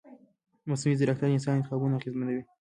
مصنوعي ځیرکتیا د انسان انتخابونه اغېزمنوي.